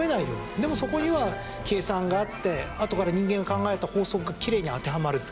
でもそこには計算があってあとから人間が考えた法則がきれいに当てはまる。